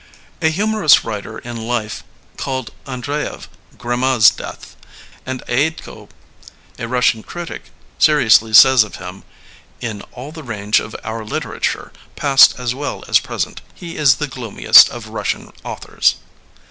A humorous writer in Life called Andreyev Grimazdeath,'' and Eiedko, a Eussian critic, seri ously says of him :In all the range of our liter ature, past as well as present, he is the gloomiest of Eussian authors.